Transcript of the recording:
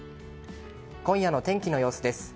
今夜の天気の様子です。